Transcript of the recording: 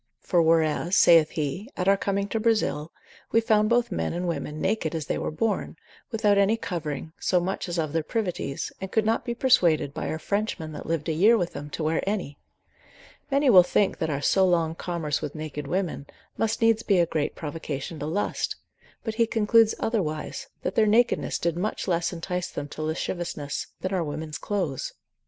For whereas (saith he) at our coming to Brazil, we found both men and women naked as they were born, without any covering, so much as of their privities, and could not be persuaded, by our Frenchmen that lived a year with them, to wear any, Many will think that our so long commerce with naked women, must needs be a great provocation to lust; but he concludes otherwise, that their nakedness did much less entice them to lasciviousness, than our women's clothes.